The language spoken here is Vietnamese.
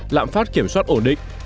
lạm phát kiểm soát ổn định